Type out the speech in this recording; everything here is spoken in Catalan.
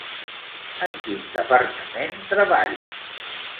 En quin departament treballa?